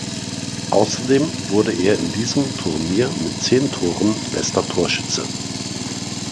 Außerdem wurde er in diesem Turnier mit zehn Toren bester Torschütze.